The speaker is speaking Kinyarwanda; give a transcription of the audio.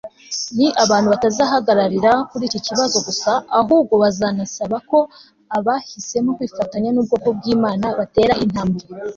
Ni abantu batazahagararira kuri iki kibazo gusa ahubwo bazanasaba ko abahisemo kwifatanya nubwoko bwImana batera intambwe